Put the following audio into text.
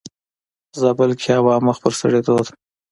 زابل کې هوا مخ پر سړيدو ده.